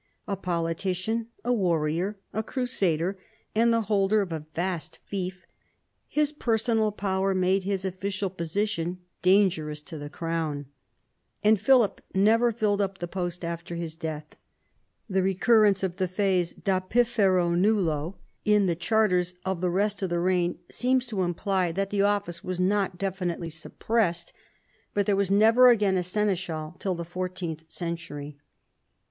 A politician, a warrior, a crusader, and the holder of a vast fief, his personal power made his official position dangerous to the crown, and Philip never filled up the post after his death. The recurrence of the phrase dapifero nullo in the v THE ADVANCE OF THE MONARCHY 127 charters of the rest of the reign seems to imply that the office was not definitely suppressed ; but there was never again a seneschal till the fourteenth century.